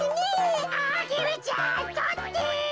アゲルちゃんとって！